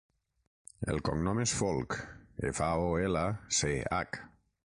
El cognom és Folch: efa, o, ela, ce, hac.